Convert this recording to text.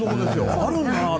あるんだなと。